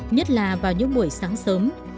nhất là vào những buổi sáng sớm